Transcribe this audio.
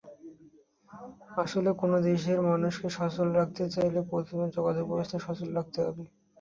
আসলে কোনো দেশের মানুষকে সচল রাখতে চাইলে প্রথমেই যোগাযোগব্যবস্থা সচল রাখতে হবে।